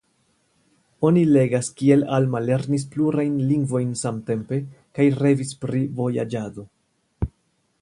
Oni legas kiel Alma lernis plurajn lingvojn samtempe kaj revis pri vojaĝado.